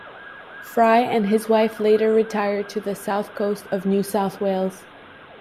Fry and his wife later retired to the South Coast of New South Wales.